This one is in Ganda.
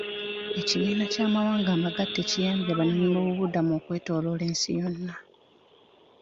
Ekibiina ky'amawanga amagatte kiyambye abanoonyiboobubudamu okwetooloola ensi yonna.